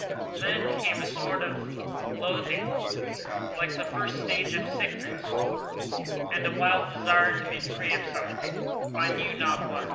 Then came a sort of loathing, like the first stage of sea sickness, and a wild desire to be free from something—I knew not what.